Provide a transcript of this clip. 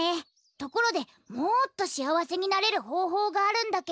ところでもっとしあわせになれるほうほうがあるんだけど。